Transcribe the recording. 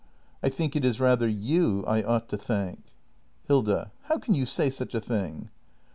I think it is rather you I ought to thank. Hilda. How can you say such a thing?